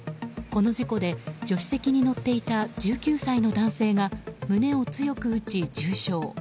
この事故で助手席に乗っていた１９歳の男性が胸を強く打ち重傷。